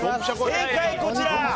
正解こちら！